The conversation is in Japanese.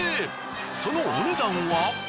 そのお値段は。